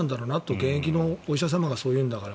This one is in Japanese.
現役のお医者様がそう言うんだから。